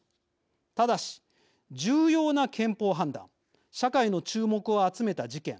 ただし、重要な憲法判断社会の注目を集めた事件